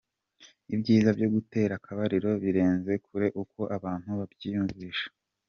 Ibyiza byo gutera akabariro birenze kure uko abantu babyiyumvisha.